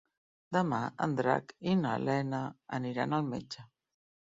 Demà en Drac i na Lena aniran al metge.